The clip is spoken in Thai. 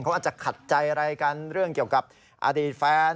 เขาอาจจะขัดใจอะไรกันเรื่องเกี่ยวกับอดีตแฟน